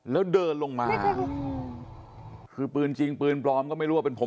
แล้วเดินลงมาคือปืนจริงปืนปลอมก็ไม่รู้ว่าเป็นผม